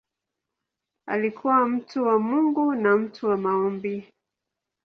Alikuwa mtu wa Mungu na mtu wa maombi.